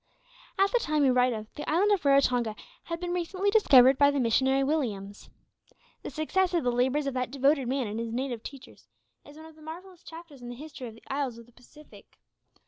At the time we write of, the island of Raratonga had been recently discovered by the missionary Williams. The success of the labours of that devoted man and his native teachers, is one of the most marvellous chapters in the history of the isles of the Pacific.